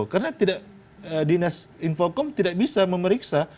karena dinas infocom tidak bisa memeriksa